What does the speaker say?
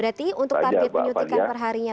jadi untuk target penyuntikan perharinya